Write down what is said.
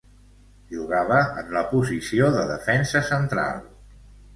Jugava en la posició de defensa central.